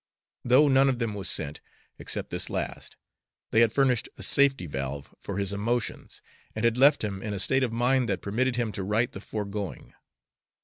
Though none of them was sent, except this last, they had furnished a safety valve for his emotions, and had left him in a state of mind that permitted him to write the foregoing.